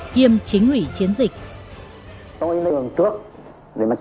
kiêm chính ủy chiến dịch